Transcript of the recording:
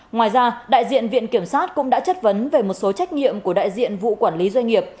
ngoài ra đại diện viện kiểm sát cũng đã chất vấn về một số trách nhiệm của đại diện vụ quản lý doanh nghiệp